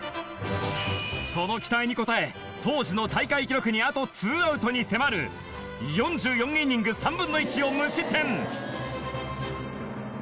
その期待に応え当時の大会記録にあとツーアウトに迫る４４イニング３分の１を無失点。